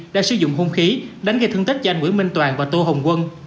đã sử dụng hung khí đánh gây thương tích cho anh nguyễn minh toàn và tô hồng quân